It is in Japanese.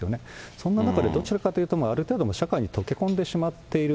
そんな中で、どちらかというとある程度、社会に溶け込んでしまっている。